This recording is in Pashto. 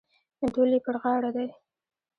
ډول یې پر غاړه دی.